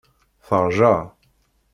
Teṛja.